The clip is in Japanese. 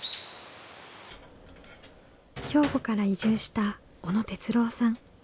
兵庫から移住した小野哲郎さん。